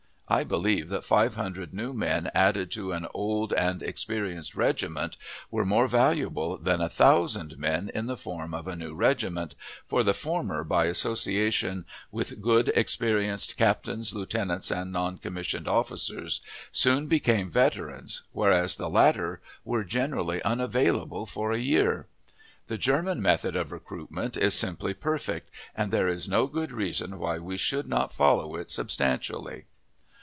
I believe that five hundred new men added to an old and experienced regiment were more valuable than a thousand men in the form of a new regiment, for the former by association with good, experienced captains, lieutenants, and non commissioned officers, soon became veterans, whereas the latter were generally unavailable for a year. The German method of recruitment is simply perfect, and there is no good reason why we should not follow it substantially.